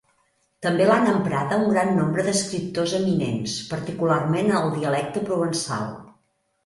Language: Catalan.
També l'han emprada un gran nombre d'escriptors eminents, particularment en el dialecte provençal.